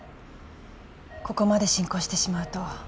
ここまで進行してしまうと